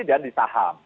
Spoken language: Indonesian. dan di saham